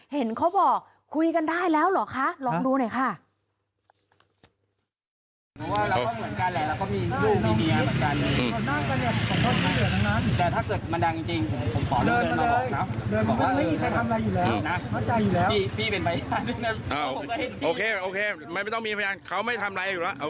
เห็นเขาบอกคุยกันได้แล้วเหรอคะลองดูหน่อยค่ะ